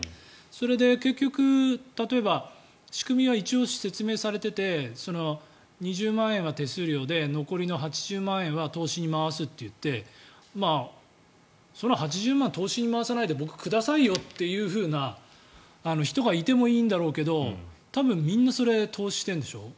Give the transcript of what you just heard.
それで結局、例えば仕組みは一応説明されていて２０万円は手数料で残りの８０万円は投資に回すといってその８０万円を投資に回さないで僕、くださいよっていうふうな人がいてもいいんだろうけど多分、みんな投資してるんでしょ。